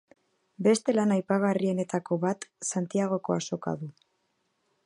Beste lan aipagarrienetako bat Santiagoko azoka du.